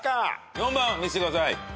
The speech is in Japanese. ４番見せてください。